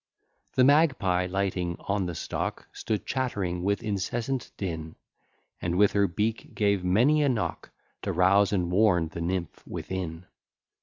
The magpie, lighting on the stock, Stood chattering with incessant din: And with her beak gave many a knock, To rouse and warn the nymph within.